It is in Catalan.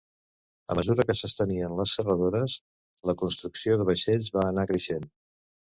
A mesura que s'estenien les serradores, la construcció de vaixells va anar creixent.